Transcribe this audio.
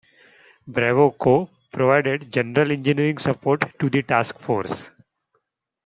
Bravo Co provided general engineering support to the task force.